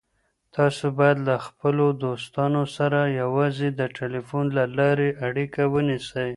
تاسو باید له خپلو دوستانو سره یوازې د ټلیفون له لارې اړیکه ونیسئ.